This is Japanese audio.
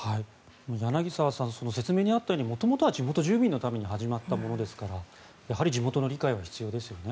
柳澤さん説明にあったように元々は地元住民のために始まったものですからやはり地元の理解は必要ですよね。